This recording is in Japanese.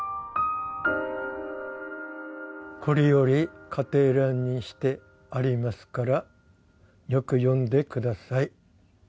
「これより家庭欄にしてありますからよく読んでください」